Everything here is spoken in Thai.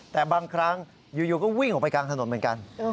แต่บางครั้งอยู่ก็วิ่งออกไปกลางถนนเหมือนกัน